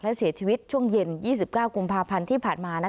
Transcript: และเสียชีวิตช่วงเย็น๒๙กุมภาพันธ์ที่ผ่านมา